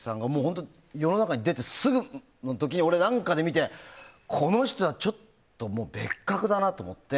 世の中に出てすぐの時に俺、何かで見てこの人はちょっともう別格だなと思って。